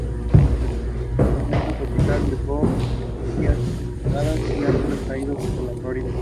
La tormenta tropical Bob dejó vías inundadas y árboles caídos en la Florida.